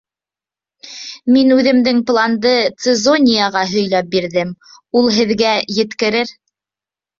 Мин үҙемдең планды Цезонияға һөйләп бирҙем, ул һеҙгә еткерер.